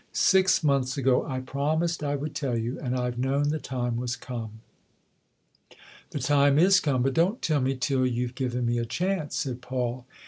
Six months ago I promised I would tell you, and I've known the time was come." " The time is come, but don't tell me till you've given me a chance," said Paul.